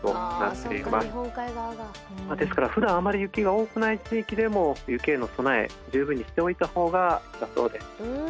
ですからふだんあまり雪が多くない地域でも雪への備え十分にしておいた方がよさそうです。